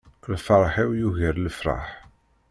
Lferḥ-iw yugar lefraḥ.